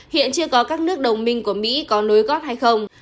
hiện chưa có các nước đồng minh của mỹ có nối gót hay không